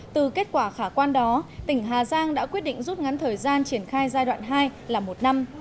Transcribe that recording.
từ kết quả khả quan đó tỉnh hà giang đã quyết định rút ngắn thời gian triển khai giai đoạn hai là một năm